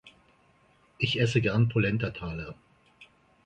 Ich esse gerne Polentataler.